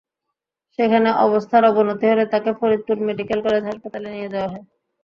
সেখানে অবস্থার অবনতি হলে তাঁকে ফরিদপুর মেডিকেল কলেজ হাসপাতালে নিয়ে যাওয়া হয়।